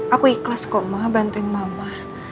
aku ikhlas kok ma bantuin mama